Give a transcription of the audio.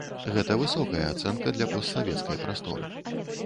Гэта высокая ацэнка для постсавецкай прасторы.